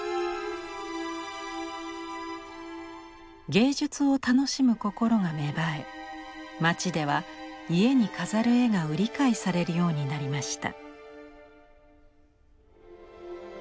芸術を楽しむ心が芽生え街では家に飾る絵が売り買いされるようになりました。